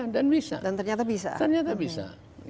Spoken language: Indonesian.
dan ternyata bisa